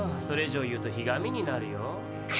それ以上言うとひがみになるよ。